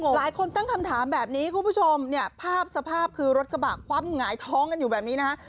หลายคนตั้งคำถามแบบนี้คุณผู้ชมเนี่ยภาพสภาพคือรถกระบะคว่ำหงายท้องกันอยู่แบบนี้นะฮะ